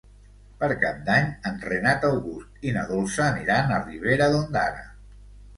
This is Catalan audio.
Per Cap d'Any en Renat August i na Dolça aniran a Ribera d'Ondara.